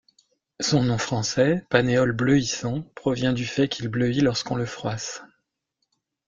Son nom français Panéole bleuissant provient du fait qu'il bleuit lorsqu'on le froisse.